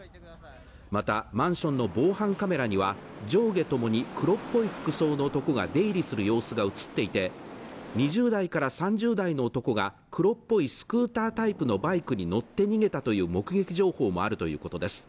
またマンションの防犯カメラには上下ともに黒っぽい服装の男が出入りする様子が映っていて２０代から３０代の男が黒っぽいスクータータイプのバイクに乗って逃げたという目撃情報もあるということです